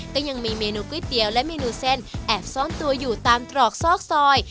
ก็ยังมีเมนูก๋วยเตี๋ยวและเมนูเส้นแอบซ่อนตัวอยู่ตามตรอกซอกซอย